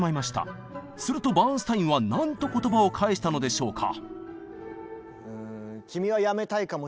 するとバーンスタインは何と言葉を返したのでしょうか？